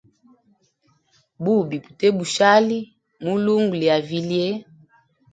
Bubi bute bushali mulungu lya vilye.